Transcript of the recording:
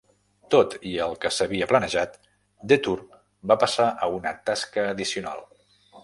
Tot i el que s'havia planejat, Detour va passar a una tasca addicional.